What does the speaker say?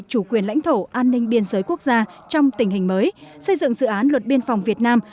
chủ quyền lãnh thổ an ninh biên giới quốc gia trong tình hình mới xây dựng dự án luật biên phòng việt nam